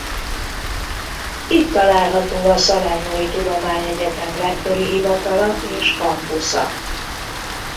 Itt található a Salernói Tudományegyetem rektori hivatala és campusa.